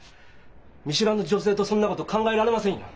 見知らぬ女性とそんなこと考えられませんよ！